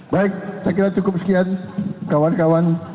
baik saya kira cukup sekian kawan kawan